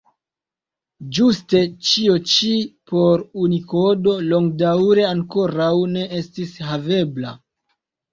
Ĝuste ĉio ĉi por Unikodo longdaŭre ankoraŭ ne estis havebla.